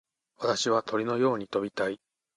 私は鳥のように飛びたい。